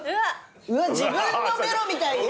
うわ自分のベロみたいに。